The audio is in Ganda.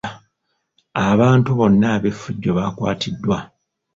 Abantu bonna ab'effujjo baakwatiddwa.